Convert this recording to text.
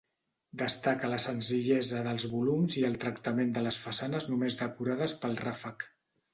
Destaca la senzillesa dels volums i el tractament de les façanes només decorades pel ràfec.